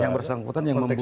yang bersangkutan yang membuat